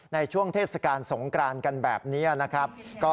ในช่วงเทศกาลสงกรานกันแบบนี้นะครับ